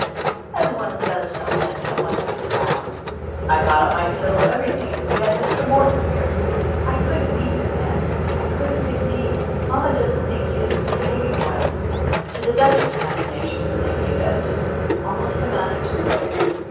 "As one does know men that one meets about." "I thought it might settle everything if we had Mr. Morton here." "I couldn't meet him, aunt; I couldn't indeed. Mamma doesn't think that he is behaving well." To the Duchess condemnation from Lady Augustus almost amounted to praise.